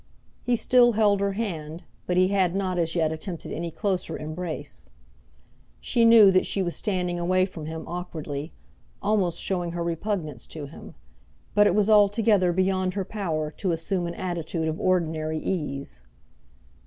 He still held her hand, but he had not as yet attempted any closer embrace. She knew that she was standing away from him awkwardly, almost showing her repugnance to him; but it was altogether beyond her power to assume an attitude of ordinary ease.